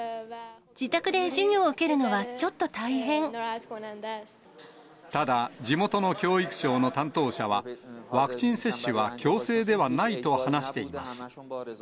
自宅で授業を受けるのはちょっとただ、地元の教育省の担当者は、ワクチン接種は強制ではないと話しています。